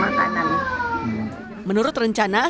menurut rencana sidak ini akan kembali ke dalam perusahaan